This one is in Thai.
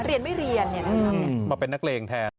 เรียนไม่เรียนมาเป็นนักเลงแทน